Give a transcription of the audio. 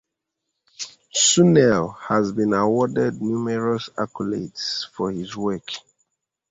Suneel has been awarded numerous accolades for his work.